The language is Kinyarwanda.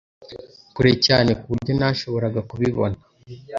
kure cyane kuburyo ntashoboraga kubibona